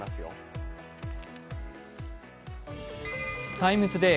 「ＴＩＭＥ，ＴＯＤＡＹ」